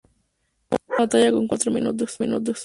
Cada una baila cuatro minutos.